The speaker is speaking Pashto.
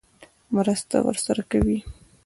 مرسته ورسره کوي.